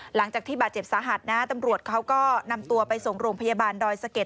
หลังจากที่บาดเจ็บสาหัสนะตำรวจเขาก็นำตัวไปส่งโรงพยาบาลดอยสะเก็ด